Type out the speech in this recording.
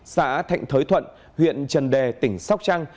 xã thạnh thới thuận huyện trần đề tỉnh sóc trăng